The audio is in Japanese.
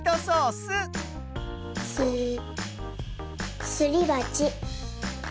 スすりばち。